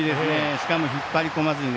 しかも引っ張り込まずに。